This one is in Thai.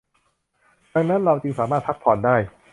ดังนั้นเราจึงสามารถพักผ่อนได้